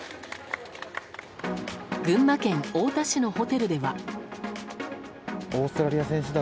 群馬県太田市のホテルでは。